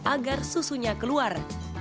agar susunya keluar